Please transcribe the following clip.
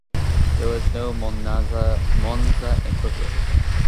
There was no Monza equivalent.